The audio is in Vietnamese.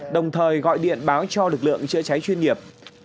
đồng thời gọi điện báo cho lực lượng chữa cháy chuyên nghiệp